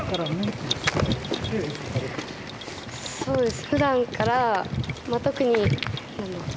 そうです。